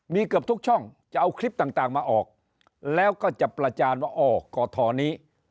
มีเกือบทุกช่องจะเอาคลิปต่างมาออกแล้วก็จะประจานว่าอ้อกทนี้